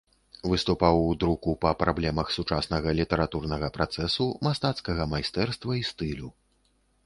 Выступаў у друку па праблемах сучаснага літаратурнага працэсу, мастацкага майстэрства і стылю.